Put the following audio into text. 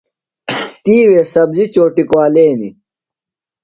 تی وے سبزی چوٹیۡ کُوالینیۡ۔